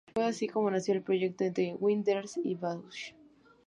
Fue así como nació el proyecto entre Wenders y Bausch.